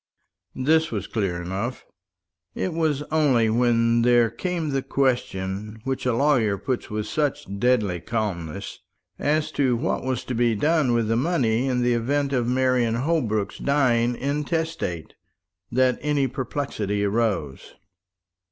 This was clear enough. It was only when there came the question, which a lawyer puts with such deadly calmness, as to what was to be done with the money in the event of Marian Holbrook's dying intestate, that any perplexity arose.